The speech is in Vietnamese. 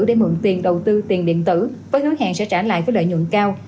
để mượn tiền đầu tư tiền điện tử với hứa hẹn sẽ trả lại với lợi nhuận cao